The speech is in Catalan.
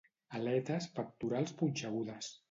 Aletes pectorals punxegudes.